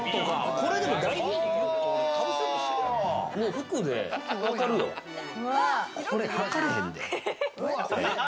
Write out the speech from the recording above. これ、はかれへんで。